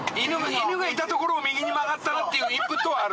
「犬がいたところを右に曲がったな」っていうインプットはある。